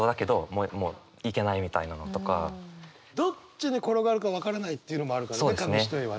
どっちに転がるか分からないというのもあるからね紙一重はね。